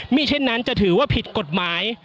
มีเช่นนั้นจะถือว่าผิดกฎหมาย